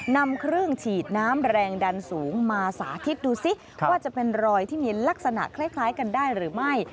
นำเครื่องฉีดน้ำแรงดันสูงมาสาธิตดูซิว่าจะเป็นรอยที่มีลักษณะคล้ายกันได้หรือไม่